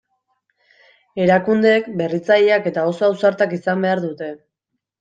Erakundeek berritzaileak eta oso ausartak izan behar dute.